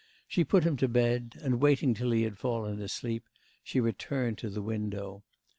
She put him to bed, and, waiting till he had fallen asleep, she returned to the window.